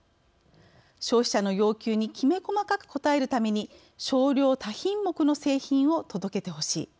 消費者の要求にきめ細かく応えるために少量多品目の製品を届けてほしい。